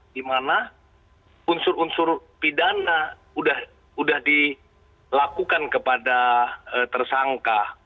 dimana unsur unsur pidana sudah dilakukan kepada tersangka